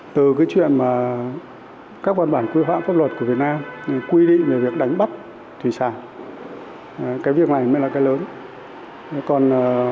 từ cái chuyện mà các văn bản quy phạm pháp luật của việt nam thì quy định về việc đánh bắt thủy sản cái việc này mới là cái lớn